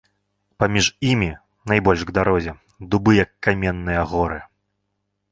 Паміж імі, найбольш к дарозе, дубы як каменныя горы.